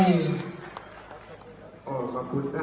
สังเกตุรารณ์